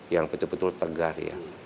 yang betul betul tegar ya